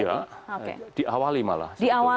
iya diawali malah